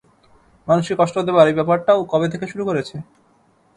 মানুষকে কষ্ট দেবার এই ব্যাপারটা ও কবে থেকে শুরু করেছে?